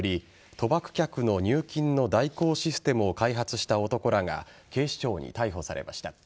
賭博客の入金の代行システムを開発した男らが警視庁に逮捕されました。